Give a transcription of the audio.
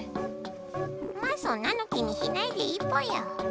まあそんなの気にしないでいいぽよ。